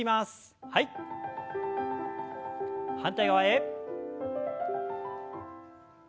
反対側へ。